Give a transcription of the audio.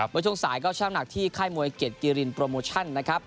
โมยชงสายก็ชั่งอำนักที่ไข่มวยเกร็ดเกรียรินโปรโมชั่นนะครับ